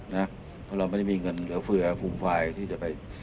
เพราะเราไม่ได้มีเงินเหลือเฟือฟูมฟายที่จะไป